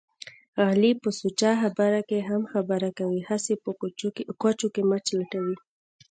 علي په سوچه خبره کې هم خبره کوي. هسې په کوچو کې مچ لټوي.